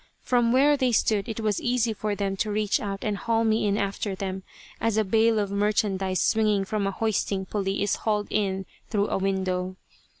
From where they stood it was easy for them to reach out and haul me in after them, as a bale of merchandise swinging from a hoisting pulley is hauled in through a window.